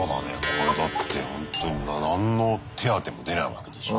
これだってほんとに何の手当も出ないわけでしょ。